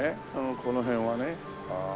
この辺はね。はあ。